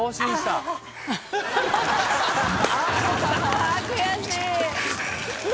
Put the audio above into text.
ああ悔しい。